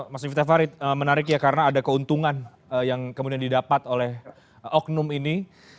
mas miftah farid menarik ya karena ada keuntungan yang kemudian didapat oleh oknum ini